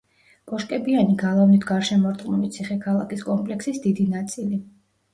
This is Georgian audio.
კოშკებიანი გალავნით გარშემორტყმული ციხე-ქალაქის კომპლექსის დიდი ნაწილი.